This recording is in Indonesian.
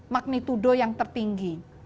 magnitudo yang tertinggi